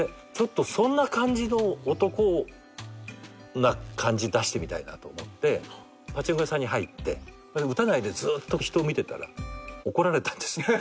そんな感じの男な感じ出してみたいなと思ってパチンコ屋さんに入って打たないでずっと人を見てたら。